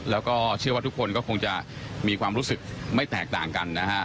แล้วก็เชื่อว่าทุกคนก็คงจะมีความรู้สึกไม่แตกต่างกันนะฮะ